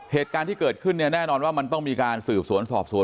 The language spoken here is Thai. เหตุการณ์ที่เกิดขึ้นเนี่ยแน่นอนว่ามันต้องมีการสืบสวนสอบสวน